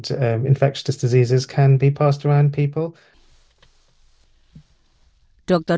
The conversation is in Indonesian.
dan penyakit infeksi bisa diperlukan oleh orang orang